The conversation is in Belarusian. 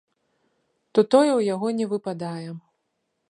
То тое ў яго не выпадае.